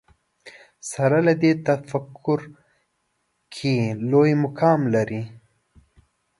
سره له دې تفکر کې لوی مقام لري